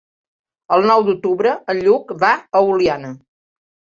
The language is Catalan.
El nou d'octubre en Lluc va a Oliana.